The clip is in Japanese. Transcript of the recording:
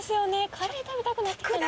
カレー食べたくなってきたな。